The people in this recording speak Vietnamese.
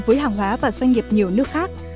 với hàng hóa và doanh nghiệp nhiều nước khác